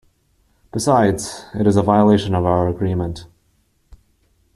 Besides, it is a violation of our agreement.